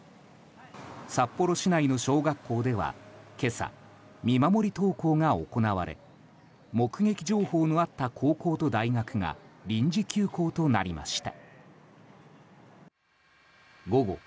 札幌市内の小学校では今朝見守り登校が行われ目撃情報のあった高校と大学が臨時休校となりました。